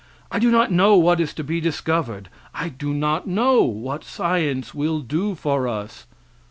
I do not know what is to be discovered; I do not know what science will do for us.